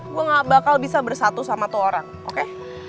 gue gak bakal bisa bersatu sama tuh orang oke